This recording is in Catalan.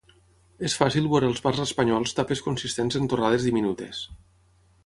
És fàcil veure als bars espanyols tapes consistents en torrades diminutes.